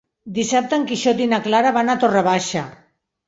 Dissabte en Quixot i na Clara van a Torre Baixa.